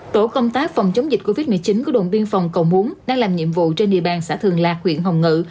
tổ công tác phòng chống dịch covid một mươi chín của đồn biên phòng cầu muốn đang làm nhiệm vụ trên địa bàn xã thường lạc huyện hồng ngự